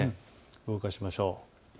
動かしましょう。